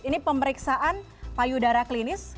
ini pemeriksaan payudara klinis